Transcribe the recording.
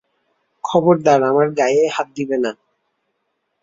খবরদার আমার গায়ে হাত দিবে না!